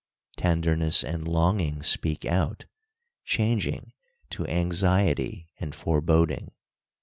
"Tenderness and longing speak out," changing to "anxiety and foreboding."